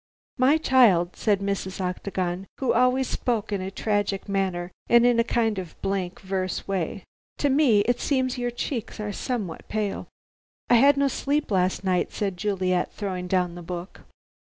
"My child," said Mrs. Octagon, who always spoke in a tragic manner, and in a kind of blank verse way, "to me it seems your cheeks are somewhat pale." "I had no sleep last night," said Juliet, throwing down the book.